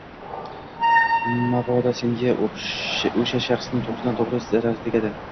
Mmabodo senga oʻsha shaxsning toʻgʻridan-toʻgʻri zarari tegadi.